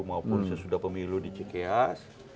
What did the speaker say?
maupun sesudah pemilu di cikeas